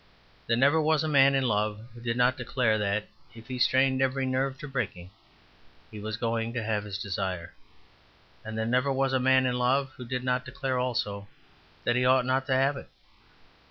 There never was a man in love who did not declare that, if he strained every nerve to breaking, he was going to have his desire. And there never was a man in love who did not declare also that he ought not to have it.